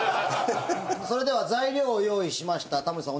それでは材料を用意しましたタモリさん